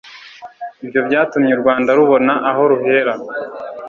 Ibyo byatumye u Rwanda rubona aho ruhera